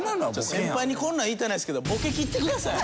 先輩にこんなの言いたないですけどボケきってください！